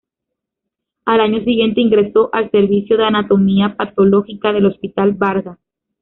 Al año siguiente ingresó al Servicio de Anatomía Patológica del Hospital Vargas.